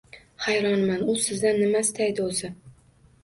Hayronman, u sizdan nima istaydi, o`zi